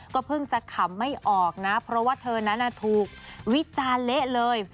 เพิ่งจะขำไม่ออกนะเพราะว่าเธอนั้นถูกวิจารณ์เละเลย